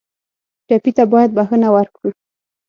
ټپي ته باید بښنه ورکړو.